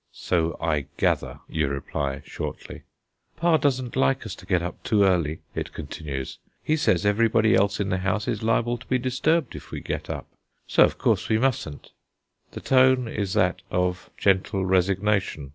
"So I gather," you reply, shortly. "Pa doesn't like us to get up too early," it continues. "He says everybody else in the house is liable to be disturbed if we get up. So, of course, we mustn't." The tone is that of gentle resignation.